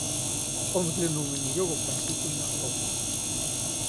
Он взглянул на нее вопросительно, робко.